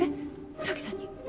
村木さんに？